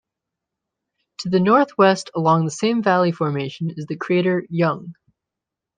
To the northwest along the same valley formation is the crater Young.